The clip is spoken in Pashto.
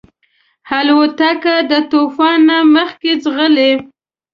الوتکه د طوفان نه مخکې ځغلي.